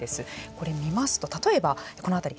これ見ますと例えばこの辺り。